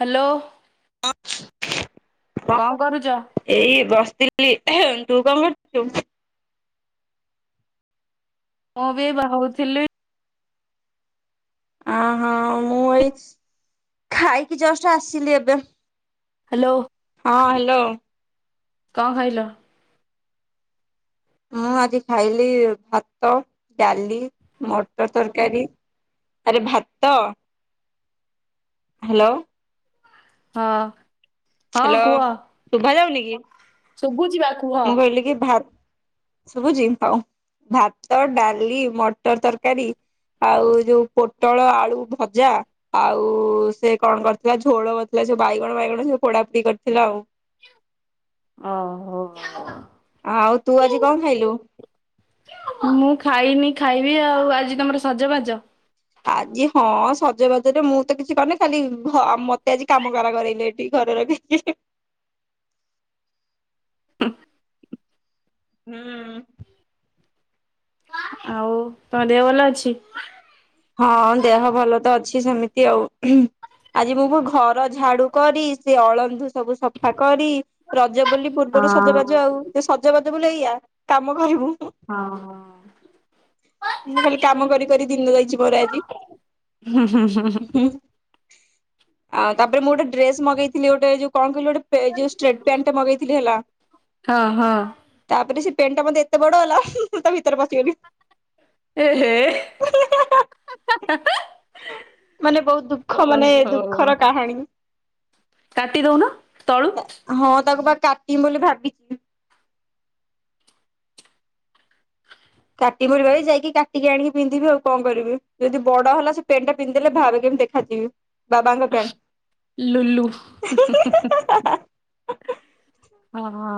Hello [unintelligible] କଣ କରୁ [inaudible] ଏଇ ବସିଥିଲି ହେ ତୁ କଣ କରୁଥିଲୁ? ମୁଁ ବି ବାହାରୁ ଥିଲି। ଆ ହଁ ମୁଁ ଏଇ ଖାଇକି ଜଷ୍ଟ ଆସିଲି ଏବେ। ହାଲୋ ହଁ ହ୍ୟାଲୋ କଣ ଖାଇଲ? ମୁଁ ଆଜି ଖାଇଲି ଭାତ, ଡାଲି, ମଟର ତରକାରୀ। ଆରେ ଭାତ, ହ୍ୟାଲୋ, ହଁ ହଁ ହ୍ୟାଲୋ କୁହ ଶୁଭା ଯାଉନି କି? ଶୁଭୁଛି ବା କୁହ। ମୁଁ କହିଲି କି ଭା ସୁବୁଚି ହଉ, ଭାତ ଡାଲି, ମଟର ତରକାରୀ ଆଉ ଯୋଉ ପୋଟଳ ଆଳୁ ଭଜା ଆଉ ସେ କଣ କରିଥିଲା ଝୋଳ କରିଥିଲା। ସେ ବାଇଗଣ ବାଇଗଣ ସେ ପୋଡା ପୋଡି କରିଥିଲା ଆଉ। ଓ ହୋ ଆ ଆଉ ତୁ ଆଜି କଣ ଖାଇଲୁ? ମୁଁ ଖାଇନି ଖାଇବି, ଆଉ ଆଜି ତମର ସଜବାଜ। ଆଜି ହଁ ସଜବାଜରେ ମୁଁ ତ କିଛି କରିନି, ଖାଲି ମତେ ଆଜି କାମ କରା କରାଇଲେ ଏ। ଏଇ ଘର ର [unintelligible] ହୁଁ ଆଉ ତମ ଦେହ ଭଲ ଅଛି? ହଁ ଦେହ ଭଲ ତ ଅଛି ସେମିତି ଆଉ ହୁଁ। ଆଜି ମୁଁ ଘର ଝାଡୁ କରି, ସେ ଅଳନ୍ଧୁ ସବୁ ସଫା କରି ରଜ ବୁଲି ପୂର୍ବରୁ ହଁ ସଜବାଜ, ଆଉ ସେ ସଜବାଜ ବୋଲି ଏଇଆ କାମ କରିବୁ। ହଁ ହ ମୁଁ ଖାଲି କାମ କରି କରି ଦିନ ଯାଇଛି ମୋର ଆଜି। ହୁଁ ହୁଁ ଆ ତାପରେ ମୁଁ ଗୋଟେ ଡ୍ରେସ ମଗେଇଥିଲି। ଗୋଟେ ଯୋଉ କଣ କହିଲୁ ଗୋଟେ ଷ୍ଟ୍ରେଟ ପ୍ୟାଣ୍ଟ ମଗେଇଥିଲି ହେଲା। ହଁ ହଁ। ତାପରେ ସେ ପ୍ୟାଣ୍ଟ ଟା ମତେ ଏତେ ବଡ ହେଲା ମୁଁ ତା ଭିତରେ ପିସିଗଲି। ଏ ହେ। ମାନେ ବୋହୁତ ଦୁଃଖ ମାନେ ଓହୋ ଦୁଃଖର କାହାଣୀ। କାଟି ଦଉନ ତଳୁ। ହଁ ତାକୁ ବା କାଟିମି ବୋଲି ଭାବି କାଟିବି ବୋଲି ଭାବିଚି ଯାଇକି କାଟିକି ଆଣିକି ପିନ୍ଧିବି ଆଉ କଣ କରିବି। ଯଦି ବଡ ହେଲା ସେ ପେଣ୍ଟେ ଟା ପିନ୍ଧି ଦେଲେ ଭାରେ କେମିତି ଦେଖ। ଖାଦିବି ବାବାଙ୍କ ଲୁଲୁ ପ୍ୟାଣ୍ଟ ହିଁ ହିଁ ହା ହା ହା। ଓହୋ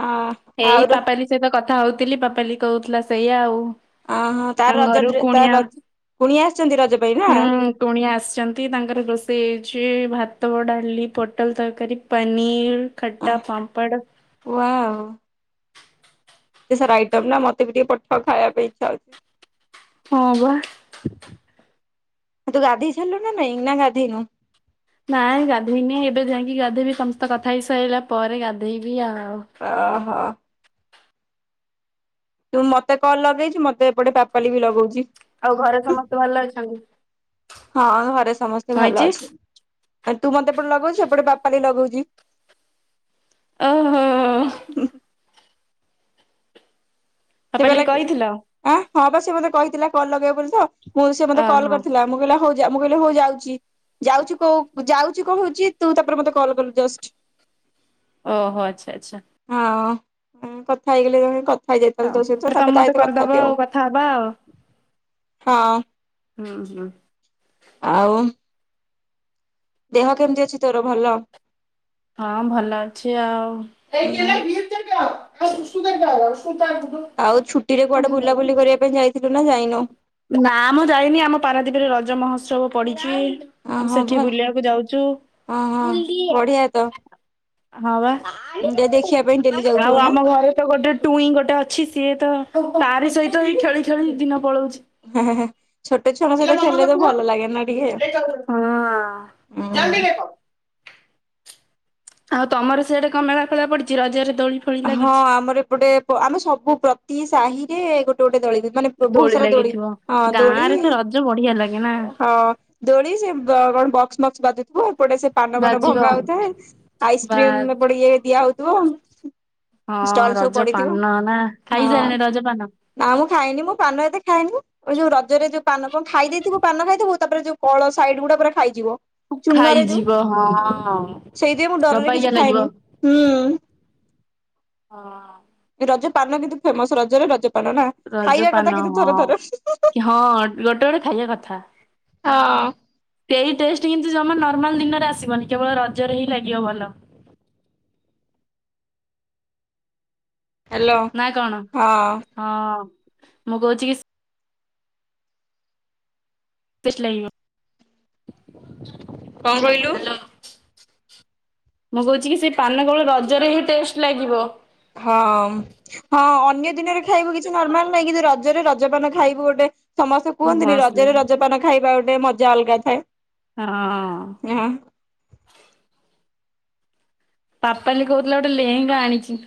ହଁ ଆଉ ଏଇ ର ପାପାଲି ସେହିତ କଥା ହଉଥିଲି ପାପାଲି କହୁଥିଲା ସେଇଆ ଆଉ। ଅହୋ ତାର ତାଙ୍କ ରଜ ଘରୁ ଡ୍ରେ ତାର କୁଣିଆ ରଜ କୁଣିଆ ଆସିଛନ୍ତି ରଜ ପାଇଁ ନା। ହୁଁ କୁଣିଆ ଆସିଛନ୍ତି ତାଙ୍କର ରୋଷେଇ ହେଇଛି ଭାତ ଡାଲି ପୋଟଲ ତରକାରୀ ପାଇଁ ପନିର ଖଟା ପାମ୍ପଡ଼ ୱାଓ। ଏତେ ସାରା ଆଇଟମ୍ ନା ମତେ ବି ଟିକେ ପଠାଅ, ଖାଇବା ପାଇଁ ଇଚ୍ଛା ହଉଛି। ହଁ ବା। ତୁ ଗାଧେଇ ସାରିଲୁଣି ନା ନାଇଁ ନା ଗାଧେଇ ନୁ। ନାଇଁ ଗାଧେଇନି ଏବେ ଯାଇକି ଗାଧେଇବି। ତମ ସହ କଥା ହେଇ ସାଇଲା ପରେ ଗାଧେଇବି ଆଉ। ଓହୋ। ତୁ ମତେ କଲ ଲଗେଇଚୁ ମତେ ଏପଟେ ପାପାଲି ବି ଲଗୋଉଛିି। ଆଉ ଘରେ ସମସ୍ତେ ଭଲ ଅଛନ୍ତି। ହଁ ଘରେ ସମସ୍ତେ କଣ ଭଲ ହେଇଛି ଅଛନ୍ତି। ତୁ ମତେ ଏପଟେ ଲଗୋଉଛୁ ସେପଟେ ପାପାଲି ଲଗୋଉଛି। ଓହୋ। ସେ ପାପାଲି କହିଲା କି କହିଥିଲ ହଁ ବା ସେ ମୋତେ କହିଥିଲା କଲ୍ ଲଗେଇବ ବୋଲି ତ ମୁଁ ସେ ମତେ କଲ୍ ଓହୋ କରିଥିଲା। ମୁଁ କହିଲା ହୋଉ ମୁଁ କହିଲି ହୋଉ ଯାଉଛି। ଯାଉଚି କ ଯାଉଚି କହୁଛି ତୁ ତାପରେ ମତେ କଲ କଲୁ ଜଷ୍ଟ। ଓହୋ ଆଛା ଆଛା। ହଁ କଥା ହେଇଗଲେ କଥା ହେଇଯା କଥା ହେଲି ହଉ ତୋ ସହିତ ତାହେଲେ ତମେ ତାପରେ ତା ମତେ ସହିତ କଥା କରିଦବ ହେବି ଆଉ କଥା ହବା ଆଉ ହଁ। ଉଁ ହୁଁ। ଆଉ ଦେହ କେମିତି ଅଛି ତୋର ଭଲ? ହଁ ଭଲ ଅଛି ଆଉ। ଉଁ [unintelligible] ଆଉ ଛୁଟି ରେ କୁଆଡେ ବୁଲାବୁଲି କରିବା ପାଇଁ ଯାଇଥିଲୁ ନା ଯାଇନୁ। ନା ମ ଯାଇନି ଆମ ପାରାଦୀପିରେ ରଜ ମହୋତ୍ସବ ପଡିଛି। ଅ ଆମେ ହଁ ସେଠି ଭଲ ବୁଲିବାକୁ ଯାଉଚୁ। ଅ ହଁ ବଢିଆ ତ ହଁବା ଦେଖିବା ପାଇଁ ଡେଲି ଆଉ ଯାଉଥିବ ନା? ଆମ ଘରେ ତ ଗୋଟେ ଟୁଇଁ ଗୋଟେ ଅଛି ସିଏ ତ ତାରି ସହିତ ହିଁ ଖେଳି ଖେଳି ଦିନ ପଳଉଚି। ହେଁ ହେଁ। ଛୋଟ ଛୁଆଙ୍କ ସହିତ ଖେଳିଲେ ତ ଭଲ ଲାଗେ ନା ଟିକେ ଉଁ। ଆଉ ତମର ସିଆଡେ କଣ ମେଳା ଫେଳା ପଡିଛି। ରଜରେ ଦୋଳି। ଫୋଳି ହଁ ଲାଗିଛି? ଆମର ଏପଟେ ଆମେ ସବୁ ପ୍ରତି ସାହିରେ ଗୋଟେ ଗୋଟେ ଦୋଳି ମାନେ ବୋହୁତ ସାରା ଦୋଳି ହଁ ଗାଁ ଦୋଳି ରେ ତ ରଜ ବଢିଆ ଲାଗେ ନା। ହଁ। ଦୋଳି ସେ କଣ ବକ୍ସ ମକ୍ସ ବାଜୁଥିବ ଏପଟେ ସେ ପାନ ଫାନ ବାଜିବ ଭଙ୍ଗା ହୋଉଥାଏ ବା ଆଇସ୍କ୍ରିମ ଏପଟେ ଇଏ ଦିଆ ହୋଉଥିବ। ହଁ ରଜପାନ ନା ହଁ। ଖାଇସାଇଲିଣି ରଜପାନ। ନା ମୁଁ ଖାଇନି ମୁଁ ପାନ ଏତେ ଖାଏନି। ଯୋଉ ରଜରେ ଯୋଉ ପାନ କଣ ଖାଇ ଦେଇଥିବୁ ପାନ ଖାଇଥିବୁ ତାପରେ ଯୋଉ କଳ ସାଇଡ ଗୁଡା ପୁରା ଖାଇଯିବ। ଚୂନରେ ଖାଇଯିବ ଯୋଉ ହଁ ସେଇଯୋଗୁ ମୁଁ ଡରରେ ଅବାଗିଆ କିଛି ଲାଗିବ। ଖାଏନି ହୁଁ। ହଁ। ରଜ ପାନ କିନ୍ତୁ ଫେମସ ରଜରେ ରଜ ପା ପାନ ନା ଖାଇବା କଥା ରଜପାନ କିନ୍ତୁ ହଁ ଥରେ ଥରେ। କି ହଁ ଗୋଟେ ଗୋଟେ ଖାଇବା କଥା। ହଁ। ସେଇ ଟେଷ୍ଟ କିନ୍ତୁ ଜମା ନର୍ମାଲ ଦିନରେ ଆସିବନି କେବଳ ରଜରେ ହିଁ ଲାଗିବ ଭଲ। ନା କଣ ହଁ ମୁଁ କହୁଛି କି ଟେଷ୍ଟ ଲାଗିବ। କଣ କହିଲୁ ହାଲୋ। ମୁଁ କହୁଛି କି ସେ ପାନ କେବଳ ରଜରେ ହିଁ ଟେଷ୍ଟ ଲାଗିବ। ହଁ। ହଁ ଅନ୍ୟ ଦିନରେ ଖାଇବୁ କିଛି ନର୍ମାଲ ନାହିଁ କିନ୍ତୁ ରଜରେ ରଜପାନ ଖାଇବୁ ଗୋଟେ। ସମସ୍ତେ କୁହନ୍ତିନି ମସ୍ତ ରଜରେ ଲାଗେ ରଜପାନ ଖାଇବା ଗୋଟେ ମଜା ଅଲଗା ଥାଏ। ହଁ ହଁଅଁ। ଆଁହାଁହାଁ। ପାପାଲି କହୁଥିଲା ଗୋଟେ ଲେହେଙ୍ଗା ଆଣିଛି।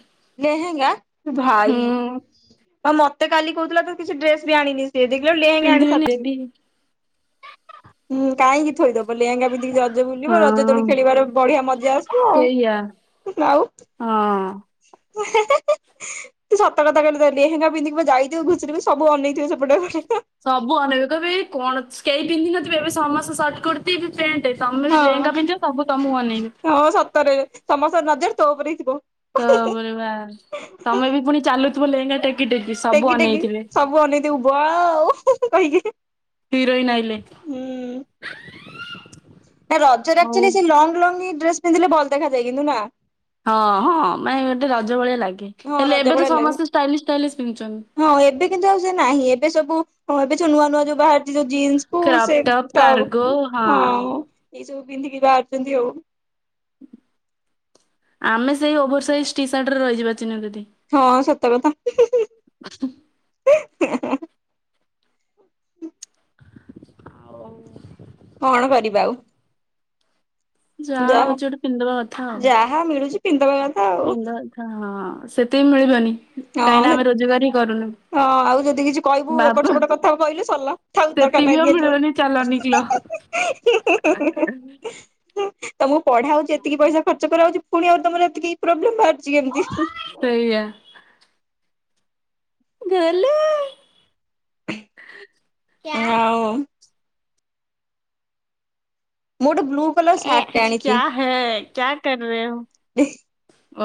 ଲେହେଙ୍ଗା ଇରେ ଭାଇ ହୁଁ ଆଉ ମୋତେ କାଲି କହୁଥିଲା ତ କିଛି ଡ୍ରେସ ବି ଆଣିନି। ସେ ଦିଜଣ ଲେହେଙ୍ଗା ଆଣି ପିନ୍ଧିବିନି ସାରିଛିଁ ଦେବି ହୁଁ କାହିଁକି ଥୋଇଦବ? ଲେହେଙ୍ଗା ବିିନ୍ଧିକି ରଜ ବୁଲିବ ରଜ ଦୋଳି ହଁ ଖେଳିବାର ବଢିଆ ମଜା ଆସିବ ଆଉ ସେଇଆ ହୁଁ ହୁଁ ଆଉ। ହଁ। ହେଁ ହେଁ ହେଁ ଏଁ। ତୁ ସତକତା କହିଲୁ ତୋ ଲେହେଙ୍ଗା ପିନ୍ଧିକି ପୁରା ଯାଇଥିବୁ ଘୁବୁରୁ ସବୁ ଅନେଇଥିବେ ସେପଟରେ ଘରେ ସବୁ ଅନେଇବେ କହିବେ କଣ କେହି ପିନ୍ଧିନଥିବେ ଏବେ ସମସ୍ତେ ସଚ୍ଚ କର ପିନ୍ଧିବି ପେଣ୍ଟେ ତମେ ହଁ। ଲେହେଁଙ୍ଗା ପିନ୍ଧିଚ ସବୁ ତମକୁ ଅନେଇବେ। ହଁ ସତରେ। ସମସ୍ତ ନଜର ତୋ ଉପରେ ହିଁ ଥିବ। ତ ବିବାର ତମେ ବି ପୁଣି ଚାଲୁଥିବ ଲେହେଙ୍ଗା ଟେ ଟେକି ଟେକି ସବୁ ଅନେଇଁ ଥିବେ ୱା ଓ କହିକି। ହିରୋଇନ୍ ଆଇଲେ। ହୁଁ। ନା ରଜରେ ଆଉ ଆକ୍ଚୁଲି ସେ ଲଙ୍ଗ ଲଙ୍ଗ ଡ୍ରେସ୍ ପିନ୍ଧିଲେ ଭଲ ଦେଖାଯଏ। କିନ୍ତୁ ନାଁ? ହଁ ହଁ ନାଇଁ ବୋଧେ ମୋତେ ରଜ ଭଳିଆ ଲାଗେ ହଁ ହେଲେ ରଜ ଏବେ ତ ଭଳିଆ ଲାଗେ ସମସ୍ତେ ଷ୍ଟାଇଲି ଷ୍ଟାଇଲିସ୍ ପିନ୍ଧୁଛନ୍ତି। ହଁ ଏବେ କିନ୍ତୁ ଆଉ ସେ ନାହିଁ ଏବେ ସବୁ ହଁ ଏବେ ଯୋ ନୂଆ ନୂଆ ଯୋଉ ବାହରି ଯଉଁ ଜିନ୍ସ କୁ ସେ ଟପ୍ ହଁ ଏଇ ସବୁ ପିନ୍ଧିକି ବାହାରୁଛନ୍ତି ଆଉଁ। ଆମେ ସେଇ ଓଭରସାଇଜ୍ ଟି ସାର୍ଟରେ ରହିିବ ଚିନା ଦିଦି। ହଁ ସତକଥା ହୁଁ ହୁଁ ଏଁ ହାଁ ହାଁ। ଆଉଁ। କଣ କରିବା ଆଉ? ଯାହା ହଉଛି ଗୋଟେ ପିନ୍ଧିବା କଥା ଆଉଁ। ହଁ ମିଳୁଛି। ପିନ୍ ଦବା କଥା ଆଉ। ଇନନ୍ଦ ଘା ହଁ ସେତିକି ବି ମିଳିବନି କାହିଁକି ହଁ ନାଁ ସେ ଆମେ ରୋଜଗାର ହିଁ କରୁନୁ। ହଁ ଆଉ ଯଦି କିଛି କହିବୁ ବାବା ଏପଟ ସେପଟ କଥା କହିଲୁ ସରିଲା ଥାଉ ଦରକାର ସେତିକି ନାହିଁ ଆଉ ଦିଆ ମିଳିବନି ଚାଲ ଯିବନି। ହେଁ ହେଁ ହେଁ [unintelligible] ହୁଁ। ତମକୁ ପଢା ହଉଛି ଏତିକି ପଇସା ଖର୍ଚ୍ଚ କରା ହଉଛି। ପୁଣି ଆଉଁ ତମର ଏତିକି ପ୍ରୋବ୍ଲେମ ବାହାରୁଛି କେମିତି? ସେଇଆ। ଗୋଲୁ। କିୟା? ଆଉ ମୁଁ ଗୋଟେ ବ୍ଲୁ କଲର ଏ ସାର୍ଟ ଟେ ଆଜ ଆଣିଛି। କ୍ୟା ହେ କ୍ୟା କର ରହେ ହୋ? [unintelligible]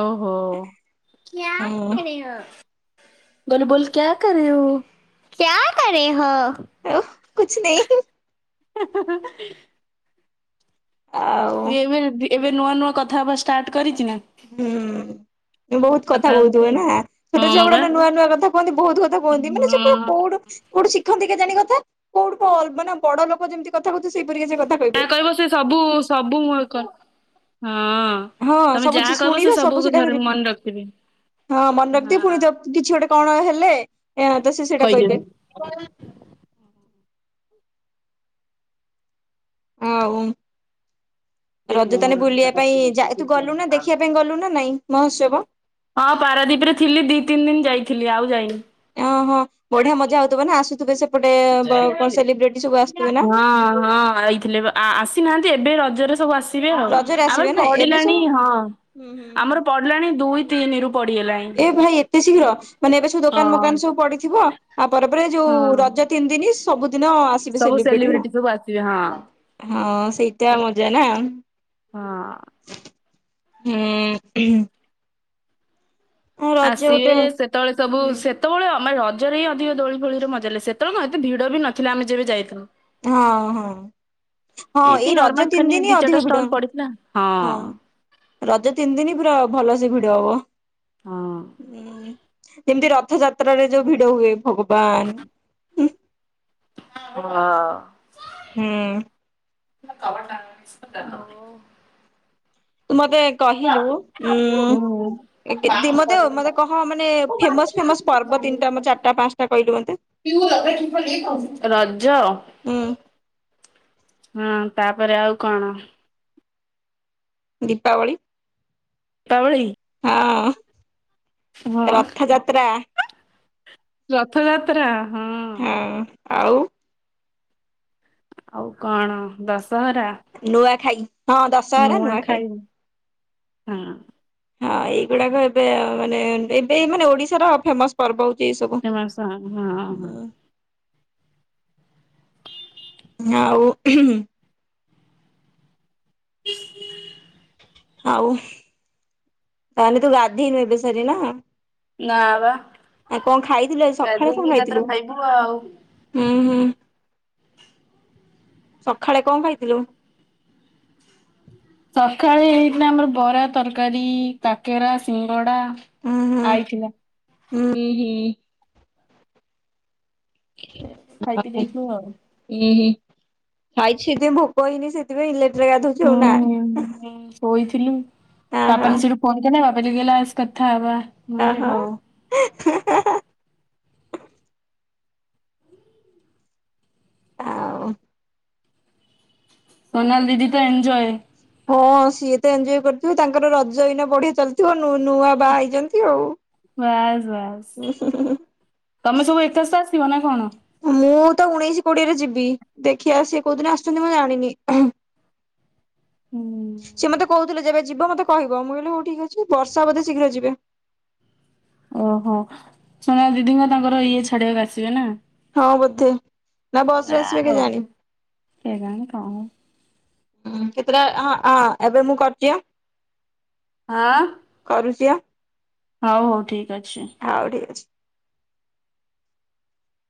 ଓ ହୋ। କ୍ୟା ହୁଁ କର ରହିହୋ? ଗୋଲୁ ବୋଲୁ କ୍ୟା କରେ ରହି ହୋ? କ୍ୟା କରରହି ହୋ? ଆଉ କୁଛୁ ନେହିଁ? ହେଁ ହେଁ ହେଁ ଏଁ। ଆଉ ସିଏ ଏବେ ଏବେ ନୂଆ ନୂଆ କଥା ହେବା ଷ୍ଟାର୍ଟ କରିଛି ନାଁ? ହୁଁ ବହୁତ କଥା ହଉଛି କହୁଥିବ ନାଁ? ଛୋଟ ଛୁଆଁ ହଁ ଗୁଡା ବା ନୂଆ ନୂଆ କଥା କୁହନ୍ତି ବହୁତ କଥା କୁହନ୍ତି ହଁ। ମାନେ ସେ ପୁରା କୋଉଁଠୁ? କୋଉଠୁ ଶିଖନ୍ତି କେଜାଣି କଥା କୋଉଠୁ [unintelligible] ମାନେ ବଡ ଲୋକ ଯେମିତି କଥା କହୁଥିବେ ସେଇପରିିକା ସେ କଥା କହିବେ। ହଁ ସେ ସବୁ ସବୁ ମୂଳକ ହଁ। ହଁ ତମେ ସବୁ ଯାହା ଯେ କହିବ ସେ ଶୁଣିବେ ସବୁ ସବୁକୁ ସେଟା ଥରେ ରି ମନେ ରଖିବି ହଁ ମନେ ରଖିଥିବେ ହଁ ପୁଣି ତ କିଛି ଗୋଟେ କଣ ହେଲେ ତ ସେ ସେଇଟା କହିବେ। [unintelligible] ଆଉ ଦେଖ ମୋ ରଜ ତାନେ ମନ ବୁଲିବା ପାଇଁ ଯାଇ ତୁ ଗଲୁ ନା ଦେଖିବା ପାଇଁ ଗଲୁନ ନା ନାଇଁ ମହୋତ୍ସବ ହଁ ପାରାଦୀପ ରେ ଥିଲି ଦି ତିନି ଦିନ ଯାଇଥିଲି ଆଉ ଯାଇନି। ଓହଁ ବଢିଆ ମଜା ହଉଥିବ ନା ଆସୁଥିବେ ସେ ନା? ହଁ ହଁ ଆଇଥିଲେ ବା ଆ ଆସିନାହାନ୍ତି ଏବେ ରଜରେ ସବୁ ଆସି ସିବେ ଆଉ ରଜରେ ଆମର ଆସିବେ ନା ଏବେ ପଡିଲାଣି ସବୁ ହଁ ହୁଁ ହୁଁ ହୁଁ। ଆମର ପଡିଲାଣି ଦୁଇ ତିନି ରୁ ପଡିଗଲାଣି। ଏ ଭାଇ ଏତେ ଶୀଘ୍ର ମାନେ ଏବେ ସବୁ ଦୋକାନ ହଁ ମୋକାନ ସବୁ ପଡିଥିବ ଆଉ ପରେ ପରେ ଯୋଉ ହଁ ରଜ ତିନି ଦିନ ସବୁଦିନ ଆସିବେ ସବୁ ସେଲିବ୍ରେଟି ସେଲିବ୍ରିଟି ସବୁ ଆସିବେ ହଁ ହଁ ସେଇଟା ମଜା ନା ହଁ। ହୁଁ। ଗୋଟେ ଆସିବେ ସେତେବେଳେ ସବୁ ହୁଁ ସେ ସେତେବେଳେ ଆମେ ରଜରେ ହିଁ ଅଧିକ ଦୋଳି ଫୋଳିରେ ମଜାଲେ ସେତେବେଳେ ଏତେ ଭିଡ଼ ବି ନଥିଲା ଆମେ ଯେବେ ଯାଇଥିଲୁ। ହଁ ହଁ। ହଁ ଏଇ ଏମିତି ରଜ ନର୍ମାଲ ତିନି ଖାଲି ଦିନ ଦି ଚାରିଟା ଅଧିକ ଭିଡ ଷ୍ଟଲ ପଡିଥିଲା ହଁ ହଁ ରଜ ତିନି ଦିନ ପୁରା ଭଲସେ ଭିଡ ହବ ହଁ। ଉ ଯେମିତି ରଥଯାତ୍ରାରେରେ ଯୋଉ ଭିଡ ହୁଏ ଭଗବାନ ହଁ। ହୁଁ। କବା ଟ [unintelligible] ତୁମ ଏବେ କହିଲୁ ଉ ମତେ ମତେ କହ ମାନେ ଫେମସ ଫେମସ୍ ପର୍ବ ତିନିଟା ମୁଁ ଚାରିଟା ପାଞ୍ଚଟା କିହିଲୁ ମୋତେ [unintelligible] ରାଜ ହୁଁ ହଁ ତାପରେ ଆଉ କଣ? ଦୀପାବଳି ତାବଳି ହଁ ରଥଯାତ୍ରା ରଥଯାତ୍ରା ହଁ ହଁ ଆଉ ଆଉ କଣ ଦଶହରା ନୂଆ ଖାଇ ନୂଆଖାଇବି ହଁ ହଁ ଏଇଗୁଡାକ ଏବେ ମାନେ ଏବେ ମାନେ ଓଡିଶାର ଫେମସ ପର୍ବ ହଉଛି ଏଇ ସବୁ ଏ ମାସ ହଁ ହଁ ଆଉ [inaudible] ଆଉ ତାହେଲେ ତୁ ଗାଧେଇନୁ ଏବେ ସାରି ନା? ନା ବା ଆଉ କଣ ଖାଇଥିଲୁ ଆଜି ସକାଳେ ଗାଧେଇକି କଣ ଏକାଥରେ ଖାଇଥିଲୁ? ଖାଇବୁ ଆଉ। ହୁଁ ହୁଁ। ସକାଳେ କଣ ଖାଇଥିଲୁ? ସକାଳେ ହେଇଥିଲା ଆମର ବରା, ତରକାରୀ, କାକେରା, ସିଙ୍ଗଡ଼ା। ଆଇଥିଲା। ଉଁ ହି ହି। ଖାଇ ପିଇ ଆଉ ଦେଇଥିଲୁ ଆଉ। ଇଁ ହିଁ ଖାଇଚି ଯେ ଭୋକ ହେଇନି ସେ ସେଥିପାଇଁ ଲେଟ ରେ ଗାଧଉଚୁ ଆଉ ନା ହୁଁ ଆ ଆହୋ। କଣ କେ ନା ବାବାଲି କହିଲା ଆସ କଥା ହେବା। ଅହୋ ଏ ହେଁ ଆଉ। ସୋନାଲ ଦିଦି ତ ଏଞ୍ଜୋୟ୍। ହଁ ସିଏ ତ ଏଞ୍ଜୋୟ କରୁଥିବେ ତାଙ୍କର ରଜ ଏଇନା ବଢିଆ ଚାଲିଥିବ ନୂ-ନୂଆ। ବାହା ହେଇଛନ୍ତି ଆଉ ବାସ୍ ଉଁ ବାସ୍ ହୁଁ ହୁଁ ହୁଁ। ତମେ ସବୁ ଏକା ସହ ଆସିବନା କଣ? ମୁଁ ତ ଉଣେଇଶି, କୋଡିଏରେ ଯିବି ଦେଖିବା ସିଏ କୋଉଦିନ ଆସୁଛନ୍ତି ମୁଁ ଜାଣିନି। ହୁଁ। ସିଏ ମତେ କହୁଥିଲେ ଯେବେ ଯିବ ମତେ କହିବ ମୁଁ କହିଲି ହଉ ଠିକ ଅଛି ବର୍ଷା ବୋଧେ ଶୀଘ୍ର ଯିବେ। ଓହୋ ସୁନା ଦିଦିଙ୍କ ତାଙ୍କର ଇଏ ଛାଡିବାକୁ ଆସିବେ ନା। ହଁ ବୋଧେ ନା ବସରେ ଆସିବେ ୱାଓ କେଜାଣି। କେଜାଣି କଣ ହଁ କେତେ ଟା ହଁ ଆ ଏବେ ମୁଁ କରୁଚି ଆଁ। ହଁ। କରୁଛିି ଆ। ହଉ ହଉ ଠିକ ଅଛି। ହଉ ଠିକ ଅଛି।